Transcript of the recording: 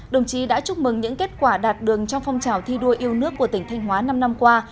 đồng chí đã chúc mừng những kết quả đạt đường trong phong trào thi đua yêu nước của tỉnh thanh hóa năm năm qua